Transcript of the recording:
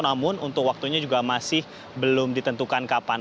namun untuk waktunya juga masih belum ditentukan kapan